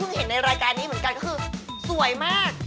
ซึ่งเห็นในรายการนี้เหมือนกันก็คือสวยมาก